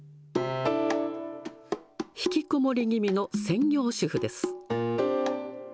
引きこもり気味の専業主婦です。